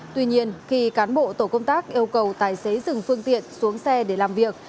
tuy nhiên khi cán bộ tổ công tác yêu cầu tài xế dừng phương tiện xuống xe để làm việc